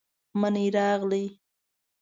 منی راغلې،